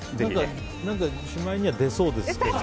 しまいには出そうですけど。